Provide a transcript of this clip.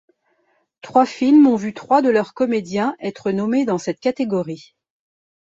Trois films ont vu trois de leurs comédiens être nommés dans cette catégorie.